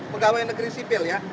pegawai negeri sipil ya